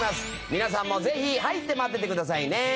皆さんもぜひ入って待っててくださいね。